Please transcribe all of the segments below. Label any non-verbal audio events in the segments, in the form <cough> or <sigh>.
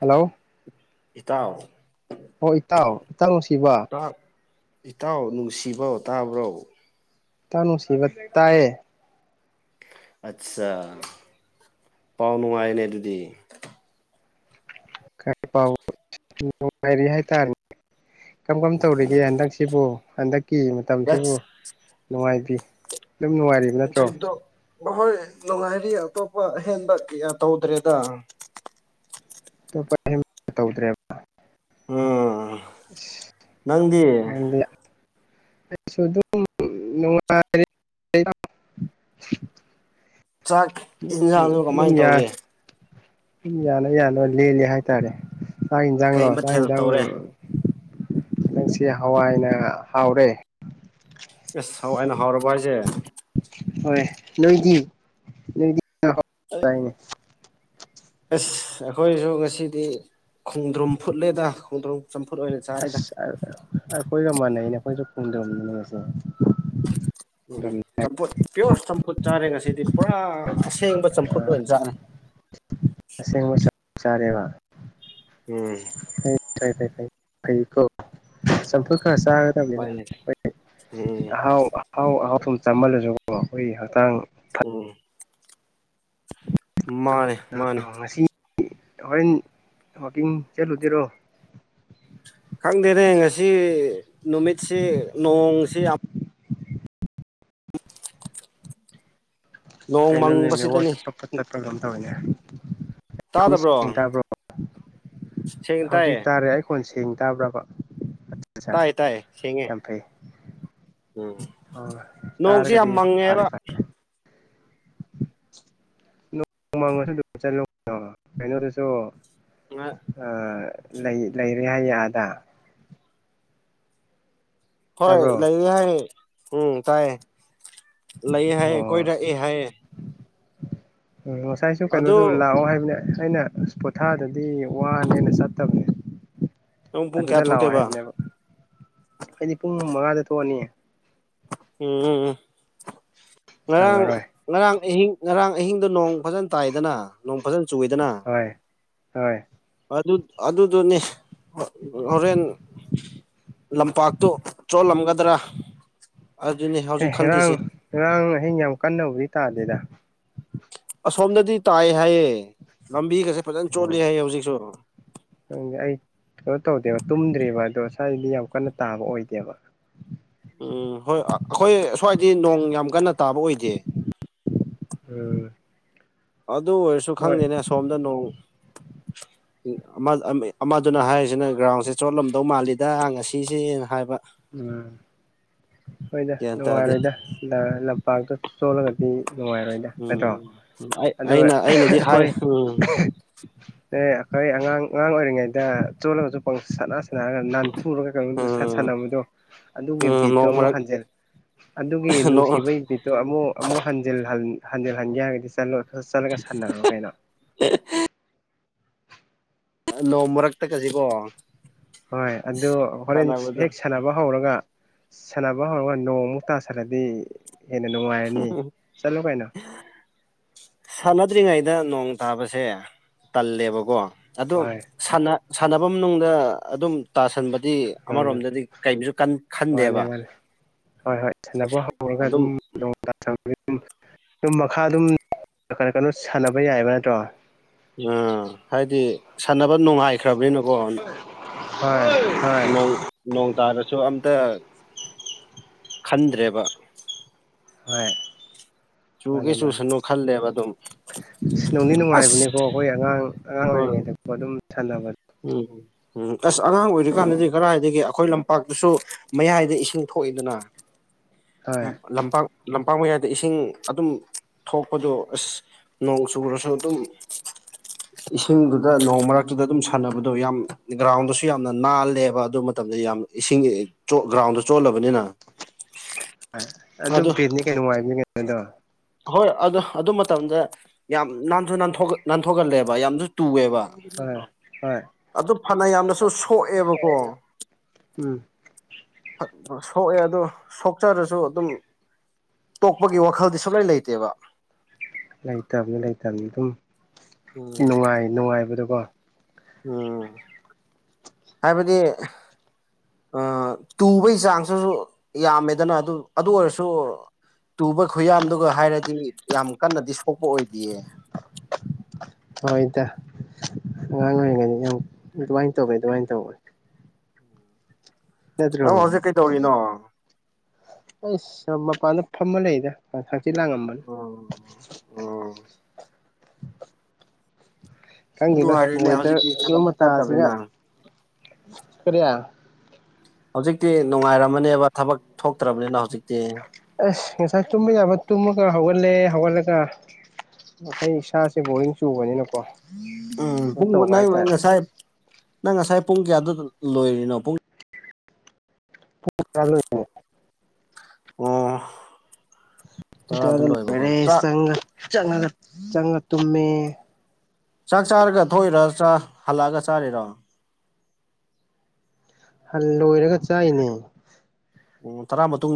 hello ꯏꯇꯥꯎ ꯑꯣ ꯏꯇꯥꯎ ꯏꯇꯥꯎ ꯅꯨꯡꯁꯤꯕ ꯇꯥ ꯏꯇꯥꯎ ꯅꯨꯡꯁꯤꯕꯥꯎ ꯇꯥꯕ꯭ꯔꯣ ꯏꯇꯥꯎ ꯅꯨꯡꯁꯤꯕ ꯇꯥꯌꯦ ꯑꯠꯆꯥ ꯄꯥꯎ ꯅꯨꯡꯉꯥꯏꯅꯦ ꯑꯗꯨꯗꯤ ꯀ ꯄꯅꯨꯡꯔꯤ ꯍꯥꯏ ꯇꯔ ꯀꯔꯝ ꯀꯔꯝ ꯇꯧꯔꯤꯒꯦ ꯍꯟꯗꯛꯁꯤꯕꯨ ꯍꯟꯗꯛꯀꯤ ꯃꯇꯝꯁꯤꯕꯨ ꯑꯁ ꯅꯨꯡꯉꯥꯏꯕꯤ ꯑꯗꯨꯝ ꯅꯨꯡꯉꯥꯏꯔꯤꯕ ꯅꯠꯇ꯭ꯔꯣ ꯍꯣꯏ ꯅꯨꯡꯉꯥꯏꯔꯤ ꯑꯇꯣꯞꯄ ꯑꯍꯦꯟꯕ ꯀꯌꯥ ꯇꯧꯗ꯭ꯔꯦꯗ ꯇꯧꯗ꯭ꯔꯦꯕ ꯑꯣ ꯃꯗꯤ ꯑꯩꯁꯨ ꯑꯗꯨꯝ ꯅꯨꯡꯉꯥꯏꯔꯤ <inaudible> ꯆꯥꯛ ꯌꯦꯟꯁꯥꯡꯁꯨ ꯀꯃꯥꯏ ꯑꯗꯨꯝ ꯌꯥꯏ ꯇꯧꯔꯤ ꯌꯥꯅ ꯌꯥꯅ ꯂꯦꯜꯂꯤꯦ ꯍꯥꯏꯇꯥꯔꯦ ꯆꯥꯛ ꯌꯦꯟꯁꯥꯡꯂꯣ ꯀꯩ ꯆꯥꯛ ꯃꯊꯦꯜ ꯌꯦꯟꯁꯥꯡ ꯇꯧꯔꯦ ꯪꯁꯤ ꯍꯋꯥꯏꯅ ꯍꯥꯎꯔꯦ ꯑꯦꯁ ꯍ ꯑꯩꯅ ꯍꯥꯎꯔꯕ ꯍꯥꯏꯁꯦ ꯍꯣꯏ ꯅꯣꯏꯗꯤ ꯅꯣꯏꯗꯤꯅꯦ <unintelligible> ꯑꯁ ꯑꯩꯈꯣꯏꯁꯨ ꯉꯁꯤꯗꯤ ꯈꯣꯡꯗ꯭ꯔꯨꯝ ꯐꯨꯠꯂꯦꯗ ꯈꯣꯡꯗ꯭ꯔꯨꯝ ꯆꯝꯐꯨꯠ ꯑꯣꯏꯅ ꯆꯥꯔꯦꯗ ꯑꯁ ꯑꯩꯈꯣꯏꯒ ꯃꯥꯟꯅꯩꯅꯦ ꯑꯩꯈꯣꯏꯁꯨ ꯈꯨꯝꯗ꯭ꯔꯕꯅꯤꯅꯦꯁꯦ ꯎꯝ ꯆꯝꯐꯨꯠ ꯄꯤꯌꯣꯔ ꯆꯝꯐꯨꯠ ꯆꯥꯔꯦꯒ ꯁꯤꯗꯤ ꯄꯨꯔꯥ ꯑꯁꯦꯡꯕ ꯆꯝꯐꯨꯠ ꯑꯣꯏꯅ ꯆꯥꯅꯤ ꯆꯔꯦꯕ ꯐ ꯐ ꯐꯩ ꯑꯩꯀꯣ ꯆꯝꯄ ꯈꯔ ꯆꯥꯒꯗꯕꯅꯤꯅ ꯍꯣꯏꯅꯦ ꯑꯩ ꯎꯝ ꯑꯥꯎ ꯑꯥꯎ ꯑꯥꯎ ꯨꯝ ꯆꯥꯃꯜꯂꯁꯨ ꯑꯩꯈꯣꯏꯒꯤ ꯍꯛꯆꯥꯡ ꯎꯝ ꯃꯥꯅꯦ ꯃꯥꯅꯦ ꯉꯁꯤ ꯍꯣꯔꯦꯟ ꯋꯥꯀꯤꯡ ꯆꯠꯂꯨꯗꯦꯔꯣ ꯈꯪꯗꯦꯅꯦ ꯉꯁꯤ ꯅꯨꯃꯤꯠꯁꯤ ꯅꯣꯡꯁꯤ ꯌꯥꯝ ꯅꯣꯡ ꯀꯦꯩꯅꯜꯅꯤ ꯃꯪꯕꯁꯤꯗꯅꯤ ꯂꯦꯋꯥꯣꯁꯄꯄ ꯇꯠꯄꯔ ꯂꯝꯝꯊꯅꯦ ꯑꯩ ꯇꯥꯗꯕ꯭ꯔꯣ ꯇꯥꯕ꯭ꯔꯣ ꯁꯦꯡꯅ ꯍꯧꯖꯤꯛ ꯇꯥꯏꯌꯦ ꯇꯥꯔꯦ ꯑꯩ ꯀꯣꯟꯁꯦ ꯊꯦꯡ ꯇꯥꯕ꯭ꯔꯕ ꯑꯠ ꯑꯠ ꯇꯥꯏ ꯇꯥꯏ ꯁꯦꯡꯉꯦ ꯌꯥꯝ ꯐꯩ ꯎꯝ ꯍ ꯅꯣꯡꯁꯤ ꯌꯥꯝ ꯇꯥꯔꯒꯗꯤ ꯐꯔꯦ ꯃꯪꯉꯦꯕ ꯐꯔꯦ ꯅꯣꯡꯣꯡꯃꯥꯡꯁꯨ ꯆꯂꯨ ꯀꯩꯅꯣꯗꯁꯨ ꯑ ꯂꯩ ꯂꯩꯔꯦ ꯍꯥꯏꯌꯦꯦ ꯑꯗ ꯍꯣꯏ ꯂꯩꯦ ꯍꯥꯏ ꯎꯝ ꯇꯥꯏꯌꯦ ꯂꯩꯑ ꯍꯥꯏꯑꯌꯦ ꯑꯣ ꯀꯣꯏꯔꯛꯑꯦ ꯍꯥꯏꯑꯌꯦ ꯎꯝ ꯉꯁꯥꯏꯁꯨ ꯀꯩꯅꯣꯁꯨ ꯑꯗꯨ ꯂꯥꯛꯑꯣ ꯍꯥꯏꯕꯅꯦ ꯑꯩꯅ ꯄꯣꯊꯥꯗꯗꯤ ꯋꯥꯅꯦꯅ ꯆꯠꯇꯕꯅꯦ ꯅꯪ ꯄꯨꯡ ꯀꯌꯥ ꯑꯗꯨꯗ ꯂꯥꯛꯑꯣ ꯊꯣꯛꯇꯣꯏꯕ ꯍꯥꯏꯕꯅꯦꯕ ꯍꯥꯏꯗꯤ ꯄꯨꯡ ꯃꯉꯥꯗ ꯊꯣꯛꯑꯅꯤ ꯎꯝ ꯎꯝ ꯎꯝ ꯉꯔꯥꯡ ꯁꯪꯉꯔꯣꯏ ꯉꯔꯥꯡ ꯑꯍꯤꯡ ꯉꯔꯥꯡ ꯑꯍꯤꯡꯗ ꯅꯣꯡ ꯐꯖꯅ ꯇꯥꯏꯗꯅ ꯅꯣꯡ ꯐꯖꯅ ꯆꯨꯗꯅ ꯍꯣꯏ ꯍꯣꯏ ꯑꯗꯨꯗꯨꯅꯤ ꯍꯣꯔꯦꯟ ꯂꯝꯄꯥꯛꯇꯨ ꯆꯣꯜꯂꯝꯒꯗ꯭ꯔꯥ ꯑꯗꯨꯅꯤ ꯍꯧꯖꯤꯛ ꯑꯦꯦ ꯉꯔꯥꯡ ꯈꯜꯂꯤꯁꯦ ꯉꯔꯥꯡ ꯑꯍꯤꯡ ꯌꯥꯝ ꯀꯟꯅꯕꯨꯗꯤ ꯇꯥꯗꯦꯗ ꯑꯁꯣꯝꯗꯗꯤ ꯇꯥꯏ ꯍꯥꯏꯌꯦ ꯂꯝꯕꯤꯒꯁꯦ ꯐꯖꯅ ꯆꯣꯠꯂ ꯑꯣ ꯍꯥꯏꯌꯦ ꯍꯧꯖꯤꯛꯁꯨ ꯈꯪꯗꯦ ꯑꯩ ꯀꯩꯅꯣ ꯇꯧꯗꯦꯕ ꯇꯨꯝꯗ꯭ꯦꯕ ꯑꯗꯣ ꯁ꯭ꯋꯥꯏꯗꯤ ꯌꯥꯝ ꯀꯟꯅ ꯇꯥꯕ ꯑꯣꯏꯗꯦꯕ ꯎꯝ ꯍꯣꯏ ꯑꯩꯈꯣꯏ ꯑꯁ꯭ꯋꯥꯏꯗꯤ ꯅꯣꯡ ꯌꯥꯝ ꯀꯟꯅ ꯇꯥꯕ ꯑꯣꯏꯖꯦ ꯎꯝ ꯑꯗꯨ ꯑꯣꯏꯔꯁꯨ ꯍꯣꯏ ꯈꯪꯗꯦꯅꯦ ꯑ ꯁꯣꯝꯗ ꯅꯣꯡ ꯑꯃꯗꯨꯅ ꯍꯥꯏꯔꯤꯁꯤꯅ ꯒ꯭ꯔꯥꯎꯟꯁꯦ ꯆꯣꯠꯂꯝꯗꯧ ꯃꯥꯜꯂꯤꯗ ꯉꯁꯤꯁꯦꯅ ꯍꯥꯏꯕ ꯎꯝ ꯍꯣꯏꯗ ꯒ꯭ꯌꯥꯟ ꯇꯥꯗꯦ ꯅꯨꯡꯉꯥꯏꯔꯣꯏꯗ ꯂꯝꯄꯥꯛꯇ ꯆꯣꯜꯂꯒꯗꯤ ꯅꯨꯡꯉꯥꯏꯔꯣꯏꯗ ꯅꯠꯇ꯭ꯔꯣ ꯎꯝ ꯑꯩ ꯑꯗꯨꯒ ꯑꯩꯅ ꯑꯩꯅꯗꯤ ꯍꯥꯏ ꯑꯩꯈꯣꯏ ꯎꯝ ꯑꯦ ꯑꯩꯈꯣꯏ ꯑꯉꯥꯡ ꯑꯉꯥꯡ ꯑꯣꯏꯔꯤꯉꯩꯗ ꯆꯣꯜꯂꯒꯁꯨ ꯁ ꯅꯥꯟꯊꯒ ꯁ ꯎꯝ ꯁꯥꯟ ꯑꯗꯨꯒꯤ ꯎꯝ ꯕꯤꯠꯇꯣ ꯅꯣꯡ ꯑꯃꯨꯛ ꯃꯔꯛ ꯍꯟꯖꯤꯟ ꯑꯗꯨꯒꯤ ꯅꯨꯡꯁꯤꯕꯒꯤ ꯕꯤꯠꯇꯣ ꯑꯃꯨꯛ ꯑꯃꯨꯛ ꯍꯟꯖꯤꯜ ꯍꯟꯖꯤꯜꯍꯟꯒꯦ ꯍꯥꯏꯔꯒꯗꯤꯂ ꯆꯠꯂꯒ ꯁꯥꯟꯟꯅꯔꯣ ꯀꯩꯅꯣ ꯅꯣꯡ ꯃꯔꯛꯇꯛ ꯀꯁꯤꯕꯣ ꯍꯣꯏ ꯑꯗꯨ ꯍꯣꯔꯦꯟ ꯍꯦꯛ ꯁꯥꯟꯅꯕ ꯍꯧꯔꯒ ꯁꯥꯟꯅꯕ ꯍꯧꯔꯒ ꯅꯣꯡꯃꯨꯛ ꯇꯥꯁꯤꯔꯗꯤ ꯍꯦꯟꯅ ꯅꯨꯡꯉꯥꯏꯔꯅꯤ ꯆꯠꯂꯣ ꯀꯩꯅꯣ ꯁꯥꯟꯅꯗ꯭ꯔꯤꯉꯩꯗ ꯅꯣꯡ ꯇꯥꯕꯁꯦ ꯇꯜꯂꯦꯕꯀꯣ ꯑꯗꯣ ꯍꯣꯏ ꯁꯥꯟꯅꯕ ꯃꯅꯨꯡꯗ ꯑꯗꯨꯝ ꯇꯥꯁꯟꯕ ꯎꯝ ꯑꯃꯔꯣꯝꯗꯗꯤ ꯀꯩꯁꯨ ꯃꯥꯅꯦ ꯈꯟꯗꯦꯕ ꯃꯥꯅꯦ ꯍꯣꯏ ꯍꯣꯏ ꯁꯥꯟꯅꯕ ꯍꯧꯔꯒ ꯑꯗꯨꯝ ꯑꯗꯨꯝ ꯃꯈꯥ ꯑꯗꯨꯝ ꯀꯔꯤ ꯀꯩꯅꯣ ꯁꯥꯟꯅꯕ ꯌꯥꯏꯕ ꯅꯠꯇ꯭ꯔꯣ ꯑꯥ ꯍꯥꯏꯗꯤ ꯁꯥꯟꯅꯕ ꯅꯨꯡꯉꯥꯏꯈ꯭ꯔꯕꯅꯤꯅꯀꯣ ꯍ ꯅꯣꯡ ꯅꯣꯡ ꯇꯔꯦ ꯁ ꯑꯇ ꯈꯟꯗ꯭ꯔꯦꯕ ꯍꯣꯏ ꯃꯥꯅꯦ ꯆꯨꯒꯦ ꯃꯥꯅꯦ ꯆꯨꯁꯅꯨ ꯈꯜꯂꯦꯕ ꯑꯗꯨꯝ ꯁꯤ ꯅꯧꯅꯤ ꯑꯁ ꯅꯨꯡꯉꯥꯏꯕꯅꯤꯀꯣ ꯑꯩꯈꯣꯏ ꯑꯉꯥꯡ ꯑꯉꯥꯡ ꯍꯣꯏ ꯑꯣꯏꯔꯤꯉꯩꯗ ꯄꯣ ꯑꯗꯨꯝ ꯁꯥꯟꯅꯕ ꯎꯝ ꯎꯝ ꯑꯁ ꯑꯉꯥꯡ ꯑꯣꯏꯔꯤꯀꯥꯟꯗꯗꯤ ꯀꯗꯥꯏꯗꯒꯤ ꯑꯩꯈꯣꯏ ꯂꯝꯄꯥꯛꯇꯁꯨ ꯃꯌꯥꯏꯗ ꯏꯁꯤꯡ ꯀꯣꯏꯗꯨꯅ ꯍꯣꯏ ꯂꯝ ꯄꯥꯡꯕ ꯌꯥꯗ ꯏꯁꯤꯡ ꯑꯗꯨꯝ ꯊꯣꯛꯄꯗꯣ ꯑꯁ ꯅꯣꯡ ꯆꯨꯔꯁꯨ ꯑꯗꯨꯝ ꯏꯁꯤꯡꯗꯨꯗ ꯅꯣꯡ ꯃꯔꯛꯇꯨꯗ ꯑꯗꯨꯝ ꯐꯅꯕꯗꯣ ꯌꯥꯝ ꯒ꯭ꯔꯥꯎꯟꯗꯁꯨ ꯌꯥꯝꯅ ꯅꯥꯜꯂꯦꯕ ꯑꯗꯨ ꯃꯇꯝꯗ ꯌꯥꯝ ꯏꯁꯤꯡ ꯒ꯭ꯔꯥꯎꯟꯗ ꯆꯣꯠꯂꯕ ꯑꯗꯨ ꯠꯅꯤ ꯀꯩꯅꯣ ꯋꯥꯥꯏꯕꯅꯤ ꯀꯩꯅꯣꯗꯣ ꯍꯣꯏ ꯑꯗꯨ ꯑꯗꯨ ꯃꯇꯝꯗ ꯌꯥꯝ ꯅꯥꯟꯁꯨ ꯅꯥꯟ ꯅꯥꯟꯊꯣꯛꯍꯜꯂꯦꯕ ꯌꯥꯝꯁꯨ ꯇꯨꯑꯦꯕ ꯍꯣꯏ ꯍꯣꯏ ꯑꯗꯨ ꯐꯅ ꯌꯥꯝꯅꯁꯨ ꯁꯣꯛꯑꯦꯕꯀꯣ ꯎꯝ ꯁꯣꯛꯑꯦ ꯑꯗꯨꯣ ꯁꯣꯛꯆꯔꯁꯨ ꯑꯗꯨꯝ ꯇꯣꯛꯄꯒꯤ ꯋꯥꯈꯜꯗꯤ ꯁꯨꯡꯂꯩ ꯂꯩꯇꯦꯕ ꯂꯩꯇꯕꯅꯤ ꯂꯩꯇꯕꯅꯤ ꯑꯗꯨꯝ ꯎꯝ ꯅꯨꯡꯉꯥꯏ ꯅꯨꯡꯉꯥꯏꯕꯗꯀꯣ ꯎꯝ ꯍꯥꯏꯕꯗꯤ ꯇꯨꯕꯒꯤ ꯆꯥꯡꯁꯨꯁꯨ ꯌꯥꯝꯃꯦꯗꯅ ꯑꯗꯨ ꯑꯗꯨ ꯑꯣꯏꯔꯁꯨ ꯇꯨꯕ ꯈꯨꯌꯥꯟꯗꯨꯒ ꯍꯥꯏꯔꯗꯤ ꯌꯥꯝ ꯀꯟꯅꯗꯤ ꯁꯣꯛꯄ ꯑꯣꯏꯗꯌꯦ ꯍꯣꯏ ꯏꯗ ꯑꯉꯥꯡ ꯑꯣꯏꯔꯤꯉꯩꯗ ꯌꯥꯝ ꯑꯗꯨꯃꯥꯏꯅ ꯇꯧꯋꯦ ꯑꯗꯨꯃꯥꯏꯅ ꯇꯧꯕꯅꯦ ꯅꯠꯇ꯭ꯔꯣ ꯅꯪ ꯍꯧꯖꯤꯛ ꯀꯩꯇꯧꯔꯤꯅꯣ ꯑꯩ ꯃꯄꯥꯟꯗ ꯐꯝꯃ ꯂꯩꯗ ꯍꯛꯆꯤ ꯂꯥꯡꯉꯝꯕꯅꯤ ꯎꯝ ꯈꯪꯗꯦꯗ ꯅꯨꯡꯉꯥꯏꯔꯦꯅꯦ ꯃꯦꯟꯇꯔ ꯍꯧꯖꯤꯛꯇꯤ ꯌ ꯊꯕꯛ ꯃꯇꯥꯁꯤꯒ ꯆꯠꯇꯕꯅꯤꯅ ꯀꯔꯤꯌꯥ ꯍꯧꯖꯤꯛꯇꯤ ꯅꯨꯡꯉꯥꯏꯔꯝꯃꯅꯦꯕ ꯊꯕꯛ ꯊꯣꯛꯇ꯭ꯔꯕꯅꯤꯅ ꯍꯧꯖꯤꯛꯇꯤ ꯑꯁ ꯉꯁꯥꯏ ꯇꯨꯝꯕ ꯌꯥꯕ ꯇꯨꯝꯃꯒ ꯍꯧꯒꯠꯂꯦ ꯍꯧꯒꯠꯂꯒ ꯑꯩ ꯏꯁꯥꯁꯦ ꯕꯣꯔꯤꯡ ꯆꯨꯕꯅꯤꯅꯀꯣ ꯎꯝ ꯀꯩꯅꯣ ꯄꯨꯡ ꯇꯧꯕ ꯅꯪ ꯍꯥꯏꯇꯥꯔꯦ ꯉꯁꯥꯏ ꯅꯪ ꯉꯁꯥꯏ ꯄꯨꯡ ꯀꯌꯥꯗ ꯂꯣꯏꯔꯤꯅꯣ ꯄꯨꯡ ꯆꯣꯏ ꯑꯣ ꯇꯔꯥꯗ ꯂꯣꯏꯕꯀꯣ ꯔꯦ ꯆꯥꯛ ꯆꯪꯉ ꯆꯪꯉꯒ ꯆꯪꯉ ꯇꯨꯝꯃꯦ ꯆꯥꯛ ꯆꯥꯔꯒ ꯊꯣꯛꯏꯔ ꯍꯜꯂꯛꯑꯒ ꯆꯥꯔꯤꯔꯣ ꯍꯜ ꯂꯣꯏꯔ ꯀꯆꯥ ꯍꯥꯏꯅꯤ ꯑꯣ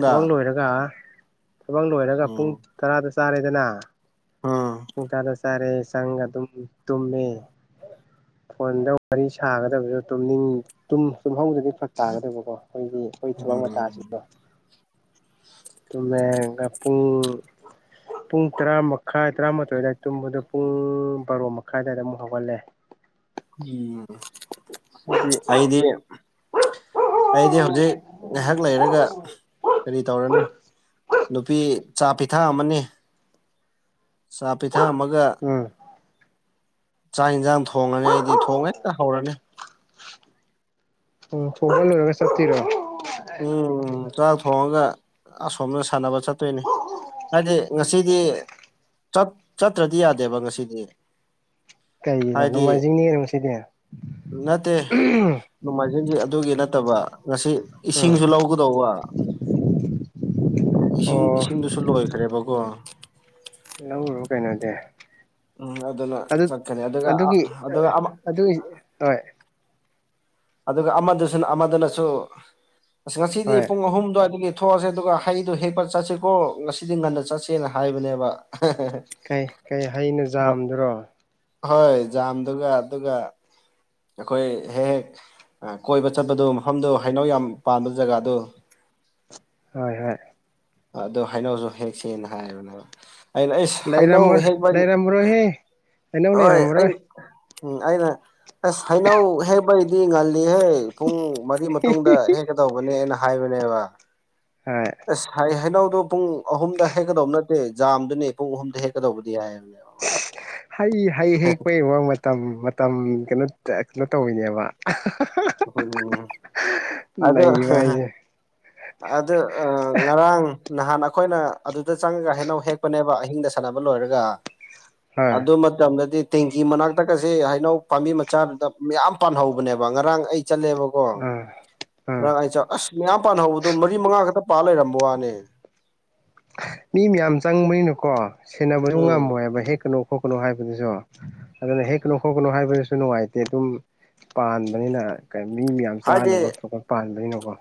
ꯊꯕꯛ ꯂꯣꯏꯔꯒ ꯊꯕꯛ ꯂꯣꯏꯔꯒ ꯎꯝ ꯄꯨꯡ ꯇꯔꯥꯗ ꯆꯥꯔꯦꯗꯅ ꯎꯝ ꯄꯨꯡꯇꯥꯥꯗ ꯆꯥꯔꯦ ꯁꯪꯒ ꯑꯗꯨꯝ ꯇꯨꯝꯃꯦ ꯐꯣꯟꯗ ꯋꯥꯔꯤ ꯁꯥꯒꯗꯕꯁꯨ ꯇꯅꯤꯡ ꯇꯨꯝꯍꯧꯗꯗꯤ ꯐꯛ ꯇꯥꯒꯗꯕꯀꯣ ꯑꯩꯈꯣꯏꯒꯤ ꯑꯩꯈꯣꯏ ꯊꯕꯡ ꯎꯝ ꯃꯇꯥꯁꯤꯗꯣ ꯃ ꯄꯨꯡ ꯄꯨꯡ ꯇꯔꯥ ꯃꯈꯥꯏ ꯇꯔꯥꯃꯥꯊꯣꯏ ꯑꯗꯨꯏ ꯇꯨꯝꯕꯗ ꯄꯨꯡ ꯕꯥꯔꯣ ꯃꯈꯥꯏ ꯑꯗꯨꯋꯥꯏꯗ ꯑꯃꯨꯛ ꯍꯧꯒꯠꯂꯦ ꯎꯝ ꯑꯩꯗꯤ ꯑꯩꯗꯤ ꯍꯧꯖꯤꯛ ꯉꯥꯏꯍꯥꯛ ꯂꯩꯔꯒ ꯀꯔꯤ ꯇꯧꯔꯅꯤ ꯅꯨꯄꯤ ꯆꯥ ꯄꯤꯊꯛ ꯑꯃꯅꯤ ꯆꯥꯛ ꯄꯤꯊꯛꯑꯝꯃꯒ ꯎꯝ ꯆꯥꯛ ꯌꯦꯟꯁꯥꯡ ꯊꯣꯡꯉꯅꯤ ꯑꯩꯗꯤ ꯊꯣꯡꯉꯦ ꯍꯦꯛꯇ ꯍꯧꯔꯅꯤ ꯑꯣ ꯐꯣꯜ ꯕꯁꯠꯇꯤꯔꯣ ꯆꯇꯥꯛ ꯊꯣꯡꯉꯒ ꯑꯁꯣꯝꯅ ꯁꯥꯟꯅꯕ ꯆꯠꯇꯣꯏꯅꯤ ꯍꯥꯏꯗꯤ ꯉꯁꯤꯗꯤ ꯆꯠꯇ꯭ꯔꯗꯤ ꯌꯥꯗꯦꯕ ꯉꯁꯤꯗꯤ ꯀꯩꯒꯤꯅꯣ ꯍꯥꯏꯗꯤ ꯅꯣꯡꯃꯥꯏꯖꯤꯡꯅꯤꯅ ꯉꯁꯤꯗꯤ ꯅꯠꯇꯦ ꯅꯃꯜꯁꯤꯡꯁꯤ ꯑꯗꯨꯒꯤ ꯅꯠꯇꯕ ꯉꯁꯤ ꯏꯁꯤꯡꯁꯨ ꯂꯧꯒꯗꯧꯕ ꯏꯁꯤꯡ ꯑꯣ ꯏꯁꯤꯡꯗꯨꯁꯨ ꯂꯣꯏꯈ꯭ꯔꯦꯕꯀꯣ ꯂꯧꯔꯣ ꯀꯩꯅꯣꯗꯤ ꯎꯝ ꯑꯗꯨꯅ ꯑꯗꯨ ꯆꯠꯀꯅꯤ ꯑꯗꯨꯒ ꯑꯗꯨꯒꯤ ꯑꯗꯨꯒ ꯑꯗꯨꯒꯤ ꯍꯣꯏ ꯑꯗꯨꯒ ꯑꯃꯗꯁꯨꯅ ꯑꯃꯗꯅꯁꯨ ꯑꯁ ꯉꯁꯤꯗꯤ ꯍꯣꯏ ꯄꯨꯡ ꯑꯍꯨꯝ ꯑꯗꯨꯋꯥꯏꯒꯤ ꯄꯨꯊꯣꯛꯑꯁꯦ ꯑꯗꯨꯒ ꯍꯩꯗꯣ ꯍꯦꯛꯄ ꯆꯠꯁꯤꯀꯣ ꯉꯁꯤꯗꯤ ꯉꯟꯅ ꯆꯠꯁꯦꯅ ꯍꯥꯏꯕꯅꯦꯕ ꯀꯩ ꯀꯩ ꯍꯩꯅ ꯌꯥꯝꯥꯝꯗꯨꯔꯣ ꯍꯣꯏ ꯖꯥꯝꯗꯨꯒ ꯑꯗꯨꯒ ꯑꯩꯈꯣꯏ ꯍꯦꯛ ꯍꯦꯛ ꯀꯣꯏꯕ ꯆꯠꯄꯗꯨ ꯃꯐꯝꯗꯨꯣ ꯍꯩꯅꯧ ꯌꯥꯝ ꯄꯥꯟꯕ ꯖꯒꯥꯗꯨ ꯍꯣꯏ ꯍꯣꯏ ꯑꯗꯨꯣ ꯍꯥꯏꯩꯅꯧꯁꯨ ꯍꯦꯛ ꯁꯦꯅ ꯍꯥꯏꯌꯦꯕꯅꯦꯕ ꯑꯩꯅ ꯑꯩꯁ ꯍꯩꯅꯧ ꯂꯩꯔꯝꯃ ꯍꯦꯛꯕꯒꯤ ꯂꯩꯔꯝꯃꯔꯣꯏꯍꯦ ꯍꯩꯅꯧ ꯍꯣꯏ ꯑꯩ ꯂꯩꯔꯝꯃꯔꯣꯏ ꯎꯝ ꯑꯩꯅ ꯑꯁ ꯍꯩꯅꯧ ꯍꯦꯕꯩꯗꯤ ꯉꯜꯂꯤꯍꯦ ꯄꯨꯡ ꯃꯒꯤ ꯃꯇꯨꯡꯗ ꯍꯦꯛꯀꯗꯧꯕꯅꯦꯅ ꯍꯥꯏꯕꯅꯦꯕ ꯍꯣꯏ ꯑꯁ ꯍꯥꯏꯩꯅꯧ ꯑꯗꯨ ꯄꯨꯡ ꯑꯍꯨꯝꯗ ꯍꯦꯛꯀꯗꯧꯕ ꯅꯠꯇꯦ ꯖꯥꯝꯗꯨꯅꯦ ꯄꯨꯡ ꯑꯍꯨꯝꯗ ꯍꯦꯛꯀꯗꯧꯕꯗꯤ ꯍꯥꯏꯕꯅꯦꯕ ꯃꯥꯅ ꯍꯩ ꯍꯩ ꯍꯦꯛꯄ ꯌꯦꯡꯕ ꯃꯇꯝ ꯃꯇꯝ ꯀꯩꯅꯣ ꯀꯩꯅꯣ ꯇꯧꯋꯤꯅꯦꯕ ꯎꯝꯝ ꯑꯗꯣ ꯂꯩꯕ ꯍꯥꯏꯁꯦ ꯑꯗ ꯑ ꯉꯔꯥꯡ ꯅꯍꯥꯟ ꯑꯩꯈꯣꯏꯅ ꯑꯗꯨꯗ ꯆꯪꯉꯒ ꯍꯩꯅꯧ ꯍꯦꯛꯄꯅꯦꯕ ꯑꯍꯤꯡꯗ ꯁꯥꯟꯅꯕ ꯂꯣꯏꯔꯒ ꯍꯣꯏ ꯑꯗꯨꯗ ꯃꯗꯗꯤ ꯇꯦꯡꯀꯤ ꯃꯅꯥꯛꯇꯒꯁꯦ ꯍꯩꯅꯧ ꯄꯥꯝꯕꯤ ꯃꯆꯥꯗꯨꯗ ꯃꯌꯥꯝ ꯄꯥꯟꯍꯧꯕꯅꯦꯕ ꯉꯔꯥꯡ ꯑꯩ ꯆꯠꯂꯦꯕꯀꯣ ꯑꯥ ꯑꯥ ꯉꯥꯡ ꯑꯩ ꯆ ꯑꯁ ꯃꯌꯥꯝ ꯄꯥꯍꯧꯕꯗꯣ ꯃꯔꯤ ꯃꯉꯥ ꯈꯛꯇ ꯄꯥꯜ ꯂꯩꯔꯝꯕ ꯋꯥꯅꯦ ꯃꯤ ꯃꯌꯥꯝ ꯆꯪꯕꯅꯤꯅꯨꯀꯣ ꯁꯦꯟꯅꯕꯁꯨ ꯎꯝ ꯉꯝꯃꯣꯏ ꯍꯥꯏꯕ ꯍꯦꯛ ꯀꯩꯅꯣ ꯈꯣꯠꯀꯅꯨ ꯍꯥꯏꯕꯗꯨꯁꯨ ꯑꯗꯨꯅ ꯍꯦꯛꯀꯅꯨ ꯈꯣꯠꯀꯅꯨ ꯍꯥꯏꯕꯗꯨꯁꯨ ꯅꯨꯡꯉꯥꯏꯇꯦ ꯑꯗꯨꯝ ꯄꯥꯟꯕꯅꯤꯅ ꯃꯤ ꯃꯌꯥꯝ ꯍꯥꯏꯗꯤ ꯆꯥꯅꯕ ꯊꯄꯄ ꯄꯥꯟꯕꯅꯤꯅꯀꯣ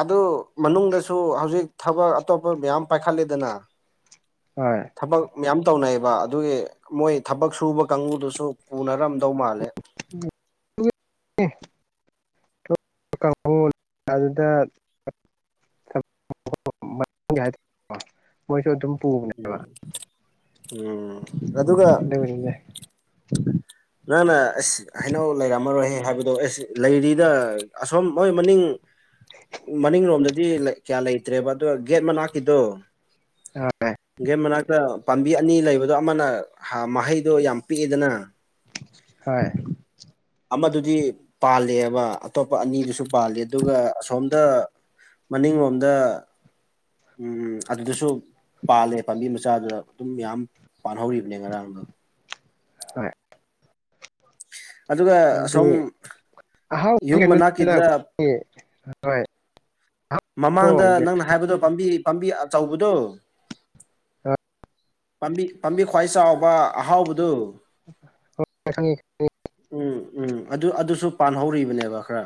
ꯑꯗꯨ ꯃꯅꯨꯡꯗꯁꯨ ꯍꯧꯖꯤꯛ ꯊꯕꯛ ꯑꯇꯣꯞꯄ ꯃꯌꯥꯝ ꯄꯥꯏꯈꯠꯂꯦꯗꯅ ꯍꯣꯏ ꯃꯌꯥꯝ ꯇꯧꯅꯩꯑꯕ ꯑꯗꯨꯒꯤ ꯃꯣꯏ ꯊꯕꯛ ꯁꯨꯕ ꯀꯥꯡꯕꯨꯗꯨꯁꯨ ꯄꯨꯅꯔꯝ ꯇꯧ ꯃꯥꯂꯦ ꯀꯥꯡ ꯑꯗꯨꯗ ꯍꯥꯏꯇꯥꯔꯦꯣ ꯃꯣꯏꯁꯨ ꯑꯗꯨꯝ ꯎꯝ ꯑꯗꯨꯒ ꯄꯅꯦꯅꯤꯗꯦ ꯅꯪꯅ ꯑꯁ ꯍꯩꯅꯧ ꯂꯩꯔꯝꯃꯔꯣꯏꯍ ꯍꯥꯏꯕꯗꯣ ꯑꯦꯁ ꯂꯩꯔꯤꯗ ꯑꯁꯣꯝ ꯃꯣꯏ ꯃꯅꯤꯡ ꯃꯅꯤꯡꯂꯣꯝꯗꯗꯤ ꯀꯌꯥ ꯂꯩꯇ꯭ꯔꯦꯕ ꯑ ꯒꯦꯠ ꯃꯅꯥꯛꯀꯤꯗꯣ ꯍꯣꯏ ꯦ ꯃꯅꯥꯒ꯭ꯔ ꯄꯥꯝꯕꯤ ꯑꯅꯤ ꯂꯩꯕꯗꯣ ꯑꯃꯅ ꯃꯍꯩꯗꯣ ꯌꯥꯝ ꯄꯤꯛꯑꯦꯗꯅ ꯍꯣꯏ ꯑꯃꯗꯨꯗꯤ ꯄꯥꯜꯂꯦꯕ ꯑꯇꯣꯞꯄ ꯑꯅꯤꯗꯨꯁꯨ ꯄꯥꯜꯂꯤꯦ ꯑꯗꯨꯒ ꯑꯁꯣꯝꯗ ꯃꯅꯤꯡꯂꯣꯝꯗ ꯎꯝ ꯑꯗꯨꯗꯁꯨ ꯄꯥꯜꯂꯦ ꯄꯥꯝꯕꯤ ꯃꯆꯥꯗꯨꯗ ꯑꯗꯨꯝ ꯃꯌꯥꯝ ꯄꯥꯟꯍꯧꯔꯤꯕꯅꯦ ꯉꯔꯥꯡꯗꯣ ꯍꯣꯏ ꯑꯗꯨꯒ ꯍꯥꯏꯗꯤ ꯑꯁꯣꯝ ꯑꯍꯥꯎ ꯌꯨꯝ ꯃꯅꯥꯛꯀꯤꯗ ꯑꯩꯈꯣꯏ ꯍꯣꯏ ꯃꯃꯥꯡꯗ ꯅꯪꯅ ꯍꯥꯏꯕꯗꯣ ꯄꯥꯝꯕꯤ ꯄꯥꯝꯕꯤ ꯑꯆꯧꯕꯗꯣ ꯄꯥꯝꯕꯤ ꯄꯥꯝꯕꯤ ꯈ꯭ꯋꯥꯏ ꯆꯥꯎꯕ ꯑꯍꯥꯎꯕꯗꯨ ꯈꯪꯉꯤ ꯎꯝ ꯎꯝ ꯑꯗꯨ ꯑꯗꯨꯁꯨ ꯄꯥꯟꯍꯧꯔꯤꯕꯅꯦꯕ ꯈꯔ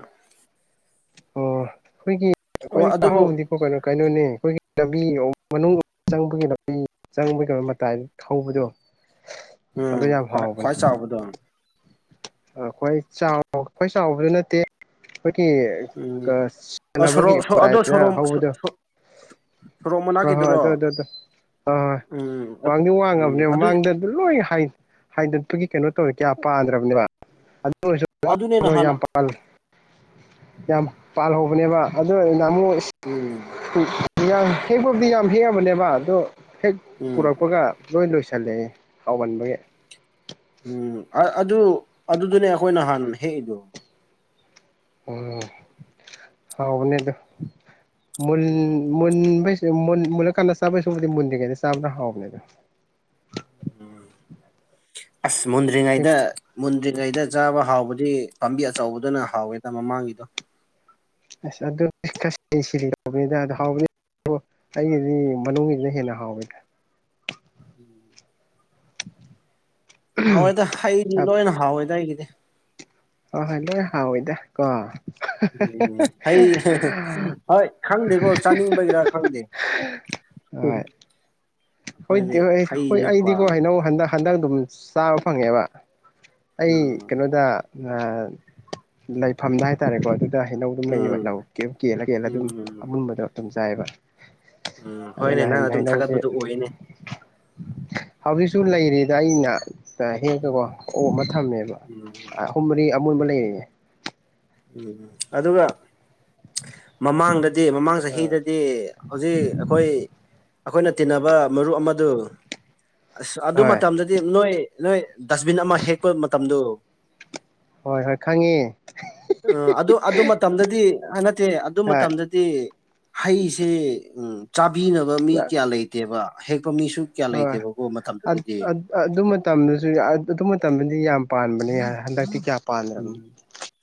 ꯑꯣ ꯑꯩꯈꯣꯏꯒꯤ ꯑꯣ ꯈ꯭ꯋꯥꯏꯗꯒꯤ ꯑꯗꯨꯕꯨ ꯆꯥꯛꯍꯥꯎꯕꯗꯤꯀꯣ ꯀꯩꯅꯣ ꯀꯩꯅꯣꯅꯦ ꯑꯩꯈꯣꯏꯒꯤ ꯂꯝꯕꯤ ꯆꯪꯕꯒꯤ ꯂꯝꯕꯤ ꯆꯪꯕꯒꯤ ꯂꯝ ꯃꯇꯥꯏ ꯍꯧꯕꯗꯣ ꯑꯗꯨ ꯎꯝ ꯌꯥꯝ ꯈ꯭ꯋꯥꯏ ꯍꯥꯎꯕꯅꯦ ꯈ꯭ꯋꯥꯏ ꯆꯥꯎꯕꯗꯣ ꯑꯩꯈꯣꯏ ꯑꯩꯈꯣꯏ ꯆꯥꯎꯕꯁꯨ ꯅꯠꯇꯦ ꯑꯩꯈꯣꯏꯒꯤ ꯎꯝ ꯑꯣ ꯁꯥꯟꯅꯕꯒꯤ ꯁꯣꯔꯣꯛ ꯑꯗꯣ ꯄꯂꯥꯏꯗꯨꯅ ꯁꯣꯔꯣꯛ ꯍꯧꯕꯗꯣ ꯁꯣꯔꯣꯛ ꯍ ꯍꯣꯏ ꯃꯅꯥꯛꯀꯤꯗꯨꯔꯣ ꯑꯗꯨꯗ ꯑꯗꯨꯗ ꯑꯗꯨ ꯑꯣꯏ ꯎꯝ ꯋꯥꯡꯗꯤ ꯎꯝ ꯋꯥꯡꯉꯕꯅꯦ ꯑꯗꯨ ꯃꯥꯡꯗ ꯂꯣꯏ ꯍꯥꯏꯗꯠꯄꯒꯤ ꯀꯩꯅꯣ ꯀꯌꯥ ꯄꯥꯥꯟꯗ꯭ꯔꯕꯅꯦꯕ ꯑꯗꯨꯅꯦ ꯅꯍꯥꯟ ꯌꯥꯝ ꯌꯥꯝ ꯄꯥꯜꯍꯧꯕꯅꯦꯕ ꯑꯗꯨ ꯉꯃꯣ ꯎꯝ ꯌꯥꯝ ꯍꯦꯛꯄꯕꯨꯗꯤ ꯌꯥꯝ ꯍꯦꯛꯑꯕꯅꯦꯕ ꯑꯗꯣ ꯍꯦꯛ ꯎꯝ ꯄꯨꯔꯛꯄꯒ ꯂꯣꯏ ꯂꯣꯏꯁꯤꯜꯂꯛꯦ ꯍꯥꯎꯃꯟꯕꯒꯤ ꯎꯝ ꯑꯗꯨ ꯑꯗꯨꯗꯨꯅꯦ ꯑꯩꯈꯣꯏ ꯅꯍꯥꯟ ꯍꯦꯛꯏꯗꯣ ꯎꯝ ꯍꯥꯎꯅꯦꯗꯣꯕ ꯃꯨꯟ ꯃꯨꯜꯂꯛꯀꯥꯟꯗ ꯆꯥꯕ ꯁꯕꯨꯗꯤ ꯃꯨꯟꯗꯔꯤꯉꯩꯗ ꯆꯥꯕ꯭ꯔꯥ ꯍꯥꯎꯕꯅꯦ ꯑꯗꯣ ꯑꯁ ꯍꯦꯛ ꯃꯨꯟꯗ꯭ꯔꯤꯉꯩꯗ ꯃꯨꯗ꯭ꯔꯤꯉꯩꯗ ꯆꯥꯕ ꯍꯥꯎꯕꯗꯤ ꯄꯥꯝꯕꯤ ꯑꯆꯧꯕꯗꯨꯅ ꯍꯥꯎꯋꯦꯗ ꯃꯃꯥꯡꯒꯤꯗꯣ ꯑꯗꯨ ꯁꯤ ꯍꯕꯅꯤꯗ ꯍꯥꯎꯕꯅꯤ ꯑꯣ ꯑꯩꯒꯤꯗꯤ ꯃꯅꯨꯡꯁꯤꯁꯤꯅ ꯍꯦꯟꯅ ꯍꯥꯎꯋꯤ ꯎꯝ ꯍꯥꯎꯋꯏꯗ ꯍꯩꯗꯤ ꯂꯣꯏꯅ ꯍꯥꯎꯋꯦꯗ ꯑꯩꯒꯤꯗꯤ ꯍ ꯍꯜꯂꯣ ꯍꯥꯎ ꯑꯣꯏꯣꯏꯗ ꯀꯣ ꯎꯝ ꯍ ꯍꯣꯏ ꯈꯪꯗꯦꯀꯣ ꯆꯥꯅꯤꯡꯕꯒꯤꯔꯥ ꯈꯪꯗꯦ ꯍꯣꯏ ꯍꯣꯏ ꯑꯩꯈꯣꯏꯗꯤ ꯍꯣꯏ ꯍꯩꯁꯦ ꯑꯩꯗꯤꯀꯣ ꯄꯥꯝꯃꯦ ꯍꯩꯅꯧ ꯍꯟꯗꯛ ꯍꯟꯗꯛ ꯑꯗꯨꯝ ꯆꯥꯕ ꯐꯪꯉꯦꯕ ꯑꯩ ꯎꯝ ꯀꯩꯅꯣꯗ ꯂꯩꯐꯝꯗ ꯍꯥꯏꯇꯥꯔꯦꯀꯣ ꯑꯗꯨ ꯍꯩꯅꯧ ꯑꯗꯨꯝ ꯂꯩꯌꯦꯕ ꯎꯝ ꯂꯧ ꯀꯦꯜꯂ ꯀꯦꯜꯂ ꯑꯗꯨꯝ ꯎꯝ ꯑꯃꯟꯕꯗꯣ ꯑꯗꯨꯝ ꯆꯥꯏꯑꯕ ꯎꯝ ꯍꯣꯏꯅꯦ ꯑꯗꯨꯅ ꯅꯪ ꯑꯗꯨꯝ ꯍꯩꯅꯧꯁꯦ ꯊꯥꯒꯠꯄꯗꯨ ꯑꯣꯏꯅꯦ ꯍꯧꯖꯤꯛꯁꯨ ꯂꯩꯔꯤꯗ ꯑꯩꯅ ꯍꯦꯛꯛꯇꯀꯣ ꯎꯝ ꯑꯣ ꯑꯃ ꯊꯝꯃꯦꯕ ꯎꯝ ꯑꯍꯨꯝ ꯃꯔꯤ ꯑꯃꯨꯕ ꯂꯩꯔꯦ ꯎꯝ ꯑꯗꯨꯒ ꯃꯃꯥꯡꯗꯗꯤ ꯃꯃꯥꯡ ꯑꯥ ꯆꯍꯤꯗꯗꯤ ꯍꯧꯖꯤꯛ ꯑꯩꯈꯣꯏ ꯑꯩꯈꯣꯏꯅ ꯇꯤꯟꯅꯕ ꯃꯔꯨꯞ ꯑꯃꯗꯨ ꯑꯁ ꯑꯗꯨ ꯍꯣꯏ ꯃꯇꯝꯗꯗꯤ ꯅꯣꯏ ꯅꯣꯏ ꯗꯁꯕꯤꯟ ꯑꯃ ꯍꯦꯛꯄ ꯃꯇꯝꯗꯨ ꯍꯣꯏ ꯍꯣꯏ ꯈꯪꯉꯦ ꯎ ꯑꯗꯨ ꯑꯗꯨ ꯃꯇꯝꯗꯗꯤ ꯍꯥꯏ ꯅꯠꯇꯦ ꯑꯗꯨ ꯍꯣꯏ ꯃꯇꯝꯗꯗꯤ ꯍꯩꯁꯦ ꯎ ꯆꯥꯕꯤꯅꯕ ꯃꯤ ꯀꯌꯥ ꯂꯩꯇꯦꯕ ꯍꯦꯛ ꯍꯣꯏ ꯑꯗꯨ ꯃꯇꯝꯗꯁꯨ ꯑꯗꯨ ꯃꯇꯝꯗꯗꯤ ꯌꯥꯝ ꯄꯥꯟꯕꯅꯦ ꯍꯟꯗꯛꯇꯤ ꯀꯌꯥ ꯎꯝ ꯄꯥꯟꯗ꯭ꯔꯕꯅꯣ